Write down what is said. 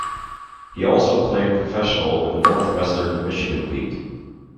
He also played professional in the Northwestern Michigan League.